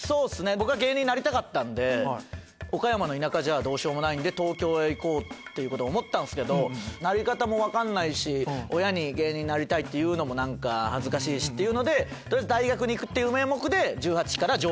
僕は芸人になりたかったんで岡山の田舎じゃどうしようもないんで東京へ行こうって思ったんですけどなり方も分かんないし親に芸人になりたいって言うのも何か恥ずかしいしっていうので取りあえず。